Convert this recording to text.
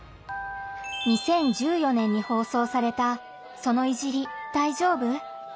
２０１４年に放送された「その“いじり”、大丈夫？」。